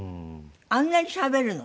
あんなにしゃべるの？